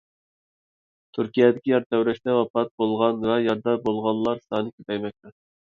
تۈركىيەدىكى يەر تەۋرەشتە ۋاپات بولغان ۋە يارىدار بولغانلار سانى كۆپەيمەكتە.